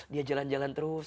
dia jalan jalan terus